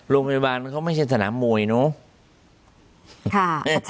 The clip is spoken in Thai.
โรงพยาบาลเขาไม่ใช่สนามมวยเนอะ